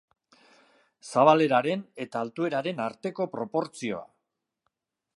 Zabaleraren eta altueraren arteko proportzioa.